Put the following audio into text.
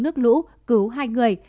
nước lũ cứu hai người